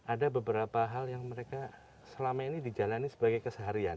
ada beberapa hal yang mereka selama ini dijalani sebagai keseharian